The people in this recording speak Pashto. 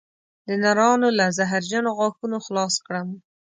د نرانو له زهرجنو غاښونو خلاص کړم